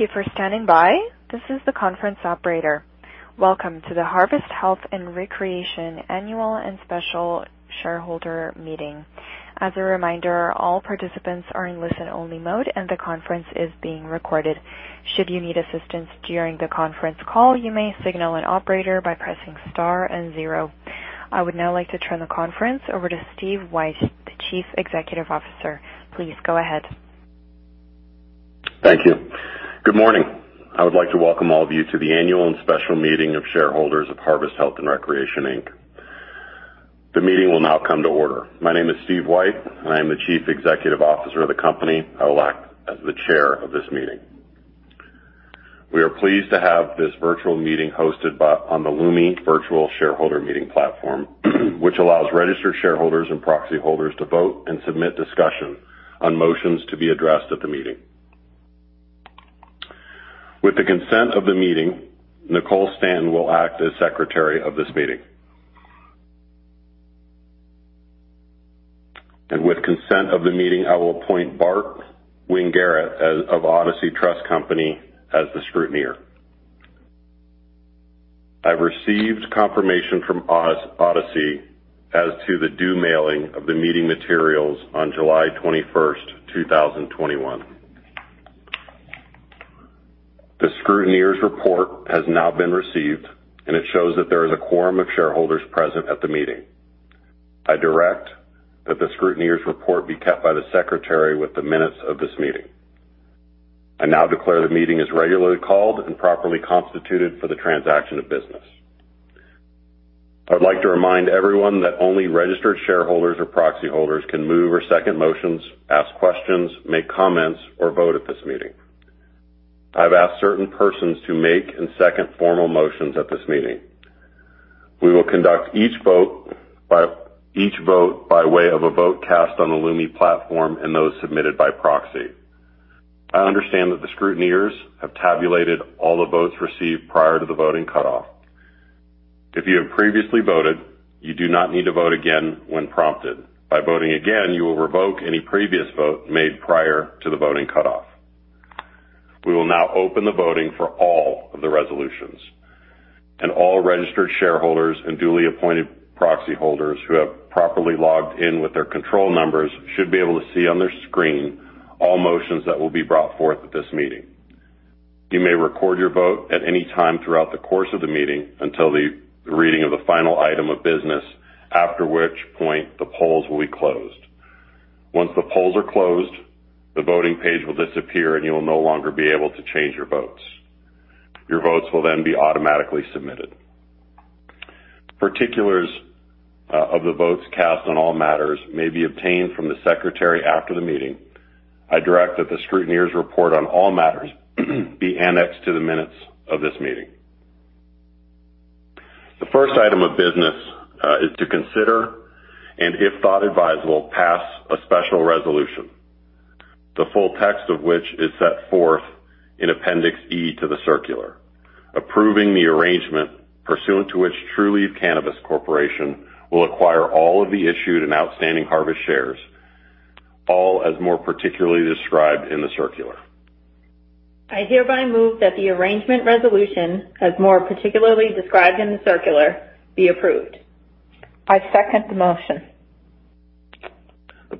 Thank you for standing by. This is the conference operator. Welcome to the Harvest Health & Recreation Annual and Special Shareholder Meeting. As a reminder, all participants are in listen-only mode and the conference is being recorded. Should you need assistance during the conference call, you may signal an operator by pressing star and zero. I would now like to turn the conference over to Steve White, the Chief Executive Officer. Please go ahead. Thank you. Good morning. I would like to welcome all of you to the annual and special meeting of shareholders of Harvest Health & Recreation Inc. The meeting will now come to order. My name is Steve White, I am the Chief Executive Officer of the company. I will act as the Chair of this meeting. We are pleased to have this virtual meeting hosted on the Lumi virtual shareholder meeting platform, which allows registered shareholders and proxy holders to vote and submit discussion on motions to be addressed at the meeting. With the consent of the meeting, Nicole Stanton will act as Secretary of this meeting. With consent of the meeting, I will appoint Bart Wingerak of Odyssey Trust Company as the Scrutineer. I've received confirmation from Odyssey as to the due mailing of the meeting materials on July 21st, 2021. The Scrutineer's report has now been received, and it shows that there is a quorum of shareholders present at the meeting. I direct that the Scrutineer's report be kept by the Secretary with the minutes of this meeting. I now declare the meeting is regularly called and properly constituted for the transaction of business. I'd like to remind everyone that only registered shareholders or proxy holders can move or second motions, ask questions, make comments, or vote at this meeting. I've asked certain persons to make and second formal motions at this meeting. We will conduct each vote by way of a vote cast on the Lumi platform and those submitted by proxy. I understand that the scrutineers have tabulated all the votes received prior to the voting cutoff. If you have previously voted, you do not need to vote again when prompted. By voting again, you will revoke any previous vote made prior to the voting cutoff. We will now open the voting for all of the resolutions, and all registered shareholders and duly appointed proxy holders who have properly logged in with their control numbers should be able to see on their screen all motions that will be brought forth at this meeting. You may record your vote at any time throughout the course of the meeting until the reading of the final item of business, after which point the polls will be closed. Once the polls are closed, the voting page will disappear, and you will no longer be able to change your votes. Your votes will then be automatically submitted. Particulars of the votes cast on all matters may be obtained from the Secretary after the meeting. I direct that the Scrutineer's report on all matters be annexed to the minutes of this meeting. The first item of business is to consider, and if thought advisable, pass a special resolution, the full text of which is set forth in Appendix E to the circular, approving the arrangement pursuant to which Trulieve Cannabis Corporation will acquire all of the issued and outstanding Harvest shares, all as more particularly described in the circular. I hereby move that the arrangement resolution, as more particularly described in the circular, be approved. I second the motion.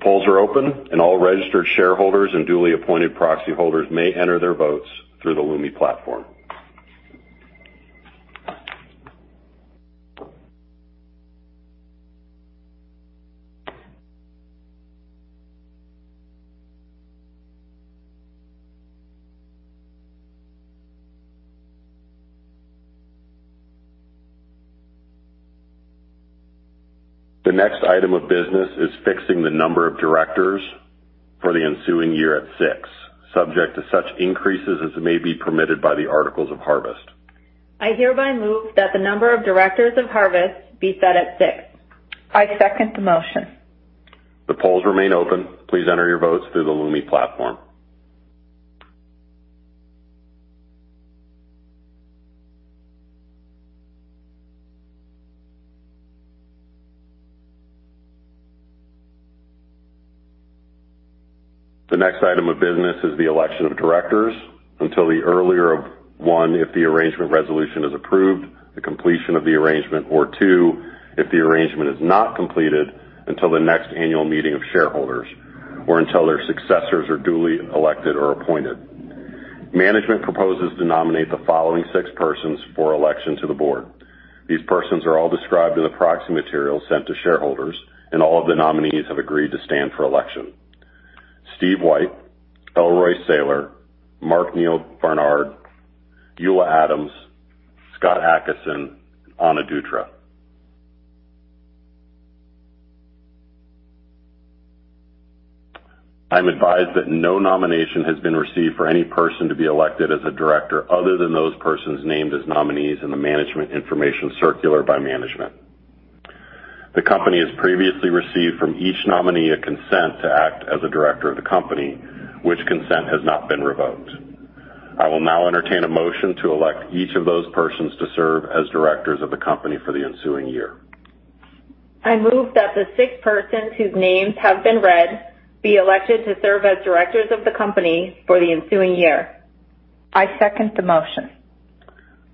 The polls are open, and all registered shareholders and duly appointed proxy holders may enter their votes through the Lumi platform. The next item of business is fixing the number of directors for the ensuing year at six, subject to such increases as may be permitted by the articles of Harvest. I hereby move that the number of directors of Harvest be set at six. I second the motion. The polls remain open. Please enter your votes through the Lumi platform. The next item of business is the election of directors until the earlier of, one, if the arrangement resolution is approved, the completion of the arrangement, or two, if the arrangement is not completed until the next annual meeting of shareholders or until their successors are duly elected or appointed. Management proposes to nominate the following six persons for election to the Board. These persons are all described in the proxy material sent to shareholders, and all of the nominees have agreed to stand for election. Steve White, Elroy Sailor, Mark Neal Barnard, Eula Adams, Scott Atkison, Ana Dutra. I'm advised that no nomination has been received for any person to be elected as a director other than those persons named as nominees in the management information circular by management. The company has previously received from each nominee a consent to act as a director of the company, which consent has not been revoked. I will now entertain a motion to elect each of those persons to serve as directors of the company for the ensuing year. I move that the six persons whose names have been read be elected to serve as directors of the company for the ensuing year. I second the motion.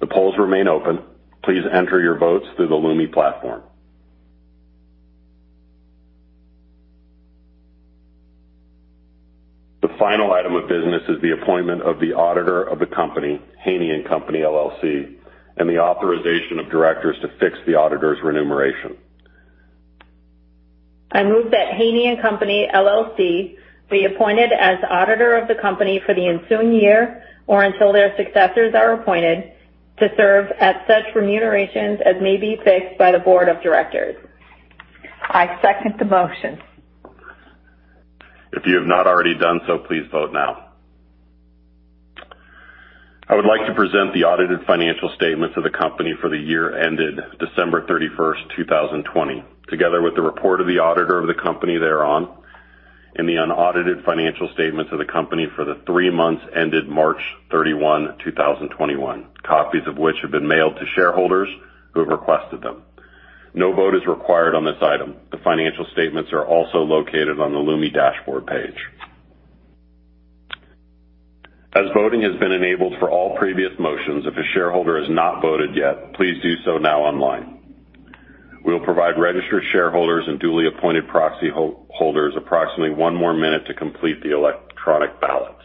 The polls remain open. Please enter your votes through the Lumi platform. The final item of business is the appointment of the auditor of the company, Haynie & Company, LLC, and the authorization of directors to fix the auditor's remuneration. I move that Haynie & Company, LLC, be appointed as auditor of the company for the ensuing year, or until their successors are appointed to serve at such remunerations as may be fixed by the Board of Directors. I second the motion. If you have not already done so, please vote now. I would like to present the audited financial statements of the company for the year ended December 31st, 2020, together with the report of the auditor of the company thereon, and the unaudited financial statements of the company for the three months ended March 31, 2021, copies of which have been mailed to shareholders who have requested them. No vote is required on this item. The financial statements are also located on the Lumi dashboard page. As voting has been enabled for all previous motions, if a shareholder has not voted yet, please do so now online. We will provide registered shareholders and duly appointed proxy holders approximately one more minute to complete the electronic ballots.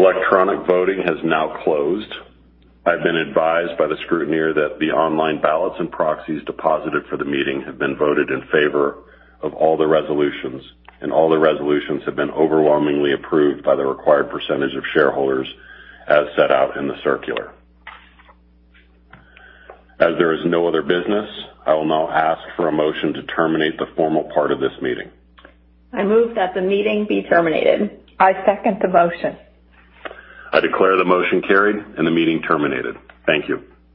Electronic voting has now closed. I've been advised by the Scrutineer that the online ballots and proxies deposited for the meeting have been voted in favor of all the resolutions. All the resolutions have been overwhelmingly approved by the required percentage of shareholders as set out in the circular. As there is no other business, I will now ask for a motion to terminate the formal part of this meeting. I move that the meeting be terminated. I second the motion. I declare the motion carried and the meeting terminated. Thank you.